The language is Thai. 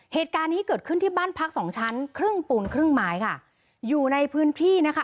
เหตุการณ์นี้เกิดขึ้นที่บ้านพักสองชั้นครึ่งปูนครึ่งไม้ค่ะอยู่ในพื้นที่นะคะ